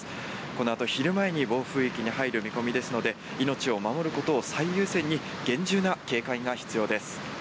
このあと、昼前に暴風域に入る見込みですので命を守ることを最優先に厳重な警戒が必要です。